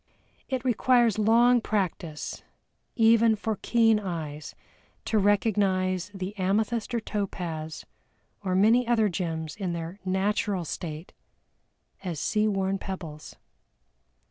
It requires long practice even for keen eyes to recognize the amethyst or topaz, or many other gems, in their natural state as sea worn pebbles.